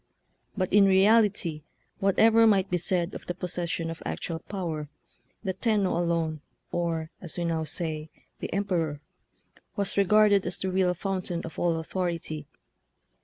But in reality, whatever might be said of the possession of actual power, the Tenno alone, or, as we now say, the Em peror, was regarded as the real fountain of all authority.